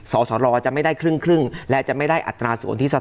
สสรจะไม่ได้ครึ่งและจะไม่ได้อัตราส่วนที่สะ